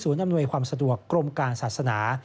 อำนวยความสะดวกกรมการศาสนา